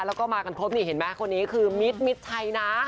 แล้วก็มากันครบนี่เห็นไหมคนนี้คือมิดมิดชัยนะ